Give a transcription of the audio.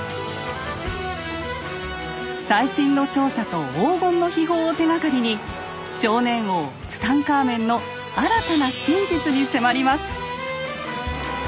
最新の調査と黄金の秘宝を手がかりに少年王ツタンカーメンの新たな真実に迫ります。